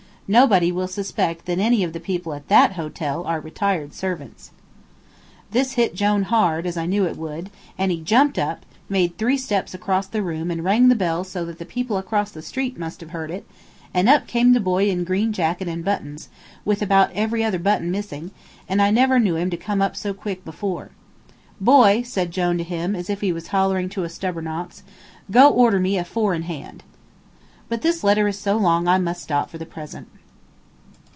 Nobody will suspect that any of the people at that hotel are retired servants." [Illustration: "Boy, go order me a four in hand"] This hit Jone hard, as I knew it would, and he jumped up, made three steps across the room, and rang the bell so that the people across the street must have heard it, and up came the boy in green jacket and buttons, with about every other button missing, and I never knew him to come up so quick before. "Boy," said Jone to him, as if he was hollering to a stubborn ox, "go order me a four in hand." But this letter is so long I must stop for the present.